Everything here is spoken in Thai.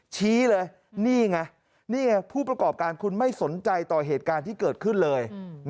ชี้เลยนี่ไงนี่ไงผู้ประกอบการคุณไม่สนใจต่อเหตุการณ์ที่เกิดขึ้นเลย